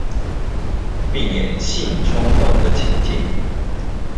避免性衝動的情境